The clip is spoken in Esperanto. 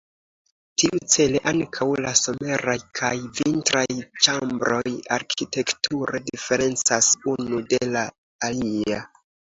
Tiu-cele ankaŭ la someraj kaj vintraj ĉambroj arkitekture diferencas unu de la alia.